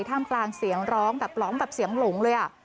ท่ามกลางเสียงร้องแบบร้องแบบเสียงหลงเลย